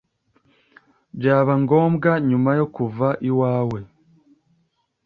Byaba ngombwa nyuma yo kuva iwawe